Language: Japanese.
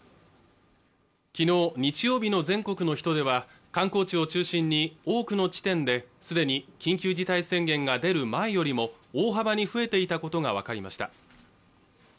昨日日曜日の全国の人出は観光地を中心に多くの地点ですでに緊急事態宣言が出る前よりも大幅に増えていたことが分かりました